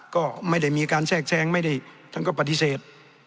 ก็ไม่ได้มีการแทรกแซงไม่ได้ท่านก็ปฏิเสธ